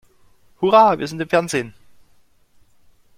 Hurra, wir sind im Fernsehen!